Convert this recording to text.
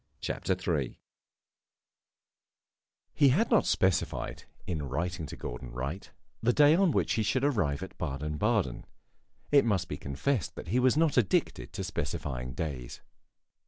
CHAPTER III He had not specified, in writing to Gordon Wright, the day on which he should arrive at Baden Baden; it must be confessed that he was not addicted to specifying days.